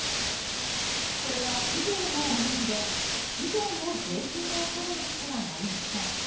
それは企業も同じで企業も税金を納めなくてはなりません。